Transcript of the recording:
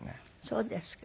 そうですか。